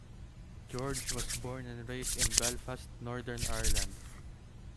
George was born and raised in Belfast, Northern Ireland.